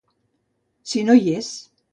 Si no hi és.